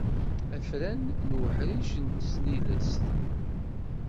Afran n uḥric n tesnilest.